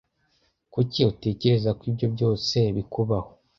Kuki utekereza ko ibyo byose bikubaho?